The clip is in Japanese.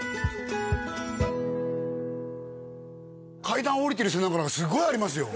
階段下りてる背中からすごいありますよ